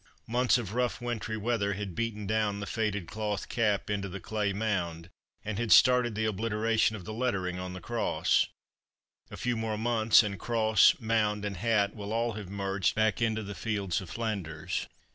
Months of rough wintry weather had beaten down the faded cloth cap into the clay mound, and had started the obliteration of the lettering on the cross. A few more months; and cross, mound and hat will all have merged back into the fields of Flanders.